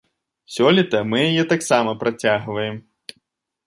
Сёлета мы яе таксама працягваем.